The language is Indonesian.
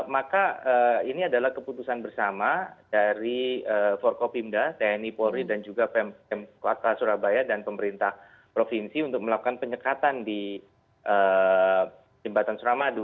maka ini adalah keputusan bersama dari forkopimda tni polri dan juga kota surabaya dan pemerintah provinsi untuk melakukan penyekatan di jembatan suramadu